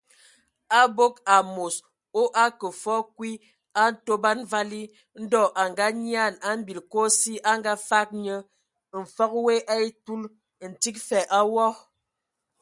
Abog amos o akə fɔɔ kwi a Ntoban vali, Ndɔ a nganyian a mbil Kosi a ngafag nye, mfəg woe a etul, ntig fa a wɔ.